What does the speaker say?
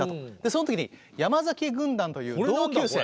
その時に山崎軍団という同級生。